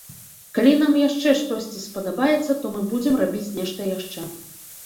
Калі нам яшчэ штосьці спадабаецца, то мы будзем рабіць нешта яшчэ.